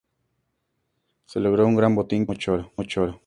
Se logró un gran botín, que incluía mucho oro.